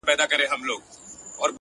هوډ د ناامیدۍ دروازې تړلي ساتي